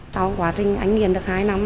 trong quá trình anh nghiện được hai năm